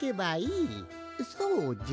そうじゃ！